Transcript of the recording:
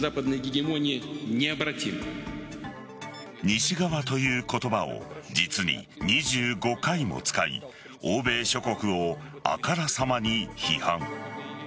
西側という言葉を実に２５回も使い欧米諸国をあからさまに批判。